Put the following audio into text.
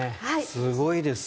すごいです。